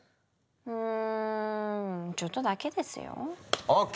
うんちょっとだけですよ。ＯＫ！